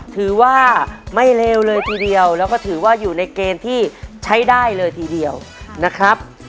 ถือว่าไม่เลวเลยทีเดียวแล้วก็ถือว่าอยู่ในเกณฑ์ที่ใช้ได้เลยทีเดียวนะครับ